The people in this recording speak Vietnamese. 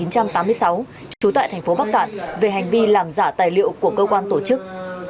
trú tại thành phố bắc cạn về hành vi làm giả tài liệu của cơ quan tổ chức